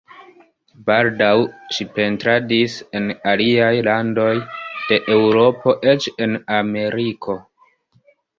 Baldaŭ ŝi pentradis en aliaj landoj de Eŭropo, eĉ en Ameriko.